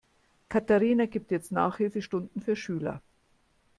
Katharina gibt jetzt Nachhilfestunden für Schüler.